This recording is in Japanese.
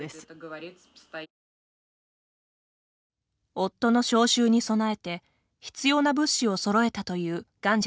夫の招集に備えて必要な物資をそろえたというガンジャさん。